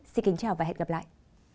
xin kính chào và hẹn gặp lại